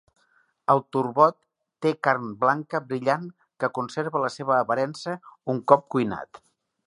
El turbot té carn blanca brillant que conserva la seva aparença un cop cuinat.